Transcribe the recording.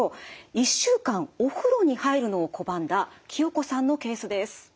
１週間お風呂に入るのを拒んだ清子さんのケースです。